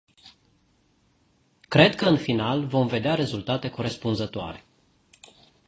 Cred că în final vom vedea rezultate corespunzătoare.